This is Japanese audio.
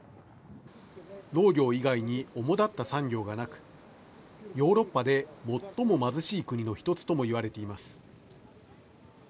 農業以外に主だった産業がなくヨーロッパで最も貧しい国の１つとも言われています。